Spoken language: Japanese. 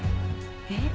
えっ？